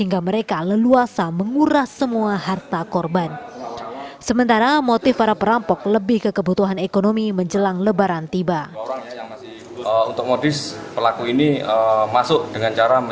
dari tangan tersangka polisi berhasil mengamankan dua bilah sajam teropong dan telepon genggam